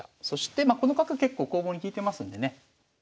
そしてこの角結構攻防に利いてますんでね